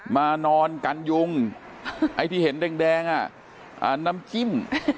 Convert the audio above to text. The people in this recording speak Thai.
นอนกันยุงไอ้ที่เห็นแดงน้ำจิ้ม